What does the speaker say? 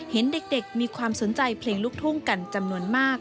เห็นเด็กมีความสนใจเพลงลูกทุ่งกันจำนวนมาก